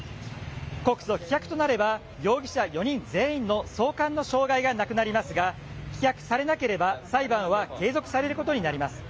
告訴棄却となれば、容疑者４人全員の送還の障害がなくなりますが、棄却されなければ裁判は継続されることになります。